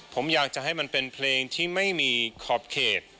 ผมอยากจะให้มันเป็นเพลงที่ไม่มีขอบเขต